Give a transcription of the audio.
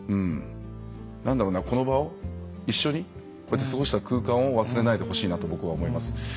この場を一緒にこうやって過ごした空間を忘れないでほしいなと僕は思います。